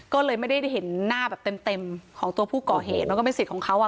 ก็เลยไม่ได้เห็นหน้าแบบเต็มของตัวผู้ก่อเหตุมันก็เป็นสิทธิ์ของเขาอ่ะ